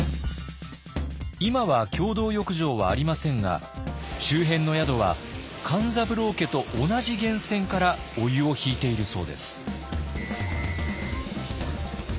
今は共同浴場はありませんが周辺の宿は勘三郎家と同じ源泉からお湯を引いているそうです。